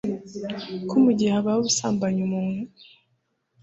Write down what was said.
ko mu gihe habaye ubusambanyi umuntu